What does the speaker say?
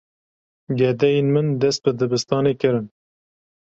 Gedeyên min dest bi dibistanê kirin.